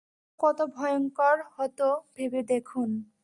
সেটা কত ভয়ংকর হত ভেবে দেখুন।